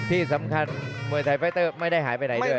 ที่สำคัญมวยไทยไฟเตอร์ไม่ได้หายไปไหนด้วย